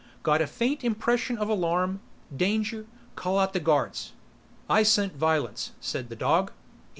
"Got a faint impression of alarm, danger, call out the guards." "I scent violence," said the dog.